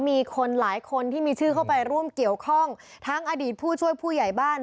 มีคนหลายคนที่มีชื่อเข้าไปร่วมเกี่ยวข้องทั้งอดีตผู้ช่วยผู้ใหญ่บ้าน